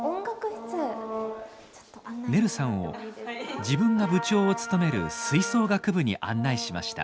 ねるさんを自分が部長を務める吹奏楽部に案内しました。